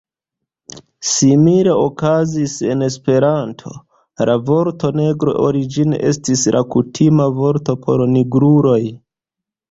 Simile okazis en Esperanto: La vorto "negro" origine estis la kutima vorto por nigruloj.